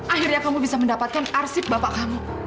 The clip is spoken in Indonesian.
akhirnya kamu bisa mendapatkan arsip bapak kamu